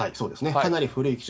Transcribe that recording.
かなり古い機種。